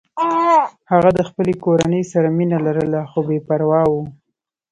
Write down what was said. هغه د خپلې کورنۍ سره مینه لرله خو بې پروا و